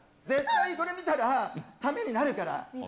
絶対これ見たら、ためになるから。